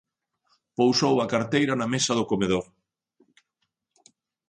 Pousou a carteira na mesa do comedor.